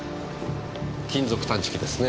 金属探知機ですね。